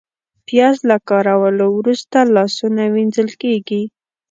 پیاز له کارولو وروسته لاسونه وینځل کېږي